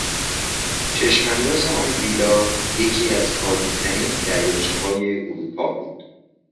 چشمانداز آن ویلا یکی از عالیترین دریاچههای اروپا بود.